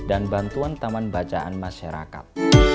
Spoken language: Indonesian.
dan bantuan taman bacaan masyarakat